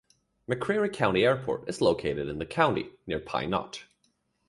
McCreary County Airport is located in the county, near Pine Knot.